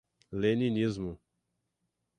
leninismo